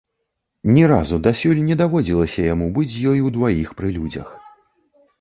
Ні разу дасюль не даводзілася яму быць з ёй удваіх пры людзях.